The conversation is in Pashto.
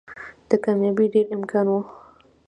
د کاميابۍ ډېر امکان وو